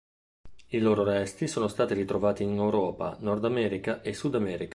I loro resti sono stati ritrovati in Europa, Nordamerica e Sudamerica.